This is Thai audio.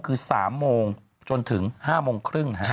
คือ๓โมงจนถึง๕โมงครึ่ง